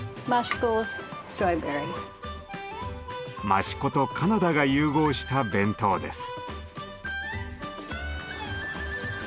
益子とカナダが融合した弁当です。